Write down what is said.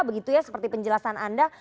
begitu ya seperti penjelasan anda